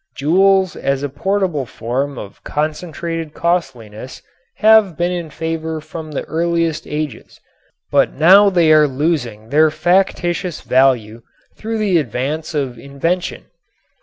Jewels as a portable form of concentrated costliness have been in favor from the earliest ages, but now they are losing their factitious value through the advance of invention.